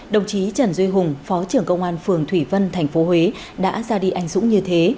đồng chí trần duy hùng phó trưởng công an phường thủy vân tp huế đã ra đi anh dũng như thế